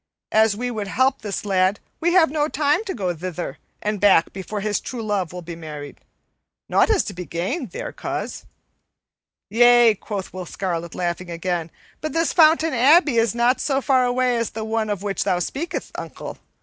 An we would help this lad, we have no time to go thither and back before his true love will be married. Nought is to be gained there, coz." "Yea," quoth Will Scarlet, laughing again, "but this Fountain Abbey is not so far away as the one of which thou speakest, uncle.